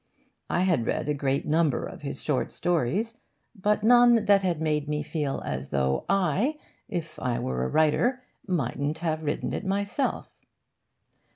I had read a great number of his short stories, but none that had made me feel as though I, if I were a writer, mightn't have written it myself.